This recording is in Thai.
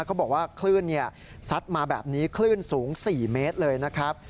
เขาบอกว่าคลื่นซัดมาแบบนี้คลื่นสูง๔เมตรเลยนะครับ